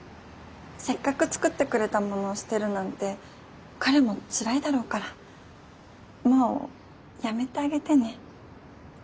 せっかく作ってくれたものを捨てるなんて彼もつらいだろうからもうやめてあげてね。